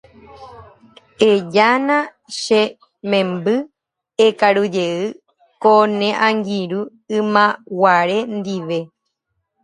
Ejána che memby ekarujey ko ne angirũ ymaguare ndive.